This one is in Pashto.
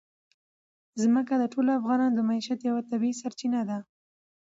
ځمکه د ټولو افغانانو د معیشت یوه طبیعي سرچینه ده.